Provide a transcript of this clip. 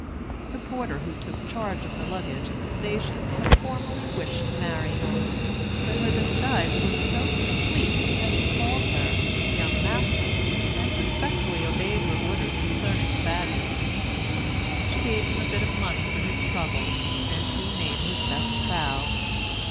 The porter who took charge of the luggage at the station had formerly wished to marry Ellen; but her disguise was so complete that he called her "Young massa," and respectfully obeyed her orders concerning the baggage. She gave him a bit of money for his trouble, and he made his best bow.